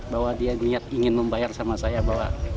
bahwa dia ingin membayar sama saya bawa